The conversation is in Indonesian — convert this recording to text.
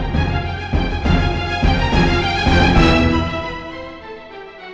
teleponnya juga gak diangkat sih